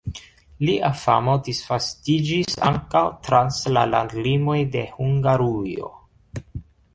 Lia famo disvastiĝis ankaŭ trans la landlimoj de Hungarujo.